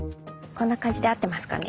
こんな感じで合ってますかね？